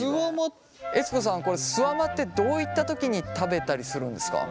悦子さんこれすわまってどういった時に食べたりするんですか？